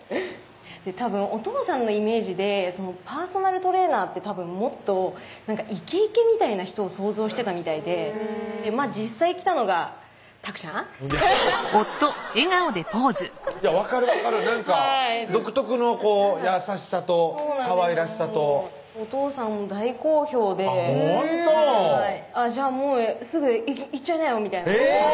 たぶんお父さんのイメージでパーソナルトレーナーってたぶんもっとイケイケみたいな人を想像してたみたいで実際来たのがたくちゃん分かる分かるなんか独特の優しさとかわいらしさとお父さん大好評でほんと「じゃあもうすぐ行っちゃいなよ」みたいなえぇ！